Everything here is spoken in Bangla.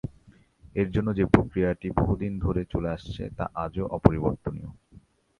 এর জন্য যে প্রক্রিয়াটি বহুদিন ধরে চলে আসছে, তা আজও অপরিবর্তনীয়।